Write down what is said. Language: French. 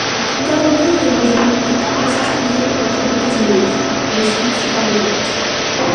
Caroline les rejoint et tente de s'excuser auprès de Casimir, mais celui-ci la rejette.